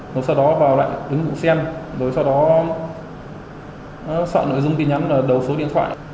rồi sau đó vào lại ứng vụ sen rồi sau đó sọt nội dung tin nhắn vào đầu số điện thoại